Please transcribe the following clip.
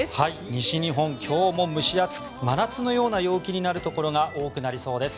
西日本、今日も蒸し暑く真夏のような陽気になるところが多くなりそうです。